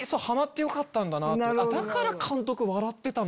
だから監督笑ってたのか。